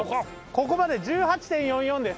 ここまで１８．４４です。